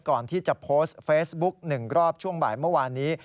ก่อนที่จะโพสต์เฟซบุ๊ก๑รอบช่วงบ่ายเมื่อวานนี้